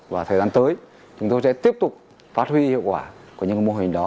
và thời gian tới chúng tôi sẽ tiếp tục phát huy hiệu quả của những mô hình đó